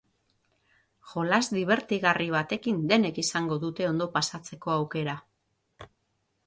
Jolas dibertigarri batekin denek izango dute ondo pasatzeko aukera.